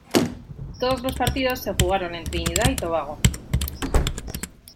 Todos los partidos se jugaron en Trinidad y Tobago.